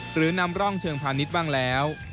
หรือนำร่องเชิงพาณิชย์บ้างแล้ว